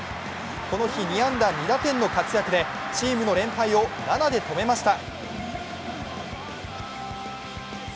この日２安打２打点の活躍でチームの連敗を７で止めました。